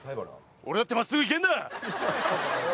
俺だって真っすぐ行けるんだ！